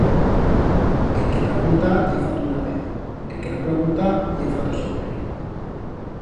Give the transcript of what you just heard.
El que pregunta ye fato una vez, el que no pregunta ye fato siempre.